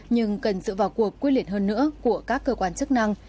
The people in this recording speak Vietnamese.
nhưng cần sự vào cuộc quyết liệt hơn nữa của các cơ quan chức năng